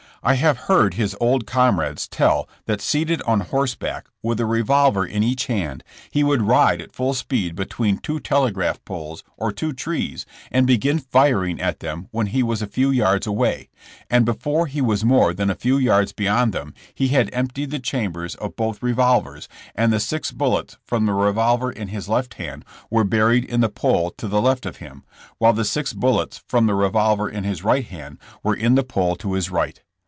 I have heard his old comrades tell that seated on horseback with a revolver in each hand, he would ride at full speed between two telegraph poles, or two trees and begin firing at them when he was a few yards away, and before he was more than a few yards beyond them, he had emptied the chambers of both revol vers, and the six bullets from the revolver in his left hand were buried in the pole to the left of him, while the six bullets from the revolver in his right hand were in the pole to his right.